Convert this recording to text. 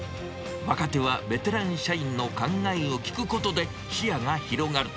若手はベテラン社員の考えを聞くことで、視野が広がる。